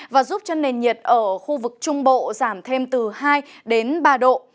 và giúp cho nền nhiệt ở khu vực trung bộ giảm thêm từ hai đến ba độ